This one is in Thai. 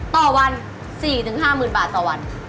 ต่อวัน๔๕๐๐๐บาทต่อวัน